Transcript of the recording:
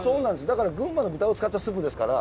だから群馬の豚を使ったスープですから。